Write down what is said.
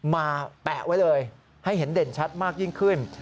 แปะไว้เลยให้เห็นเด่นชัดมากยิ่งขึ้น